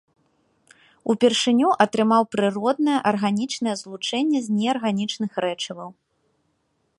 Упершыню атрымаў прыроднае арганічнае злучэнне з неарганічных рэчываў.